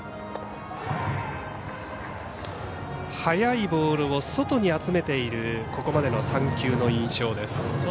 速いボールを外に集めているここまでの３球の印象です。